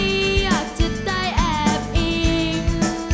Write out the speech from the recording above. อยากจะได้แอบอิง